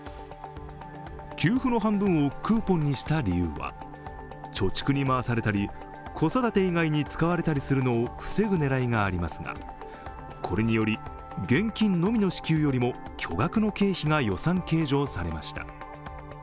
給付の半分をクーポンにした理由は、貯蓄に回されたり子育て以外に使われたりするのを防ぐ狙いがありますがこれにより、現金のみの支給よりも巨額の経費が予算計上されました。